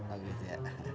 oh gitu ya